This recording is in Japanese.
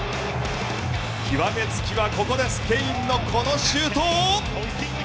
極め付きはここでスペインのこのシュート。